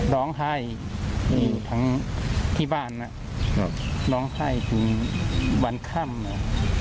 ล้องไข้ที่บ้านนั่นวันข้ามเนี่ย